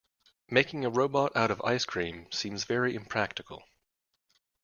Making a robot out of ice cream seems very impractical.